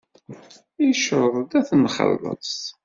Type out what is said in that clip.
Yecreḍ-d ad t-nxelleṣ.